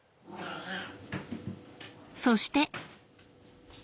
そして。